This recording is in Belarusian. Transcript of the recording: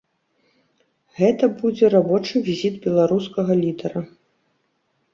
Гэта будзе рабочы візіт беларускага лідара.